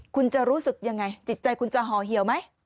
คุณจะรู้สึกยังไงจิตใจคุณจะห่อเหี่ยวไหม